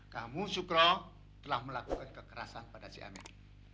kamu sukro telah melakukan kekerasan pada si amin